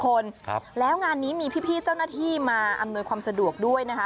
คนครับแล้วงานนี้มีพี่เจ้าหน้าที่มาอำนวยความสะดวกด้วยนะคะ